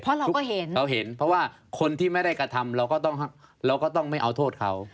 เพราะเราก็เห็นเพราะว่าคนที่ไม่ได้กระทำเราก็ต้องไม่เอาโทษเขา